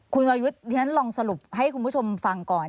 คุณวายุทลองสรุปให้คุณผู้ชมฟังก่อน